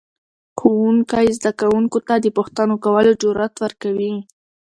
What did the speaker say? ښوونکی زده کوونکو ته د پوښتنو کولو جرأت ورکوي